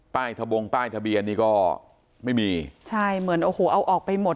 ทะบงป้ายทะเบียนนี่ก็ไม่มีใช่เหมือนโอ้โหเอาออกไปหมด